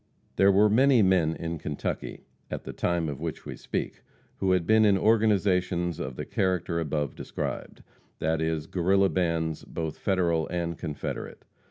There were many men in Kentucky at the time of which we speak who had been in organizations of the character above described that is, Guerrilla bands, both Federal and Confederate.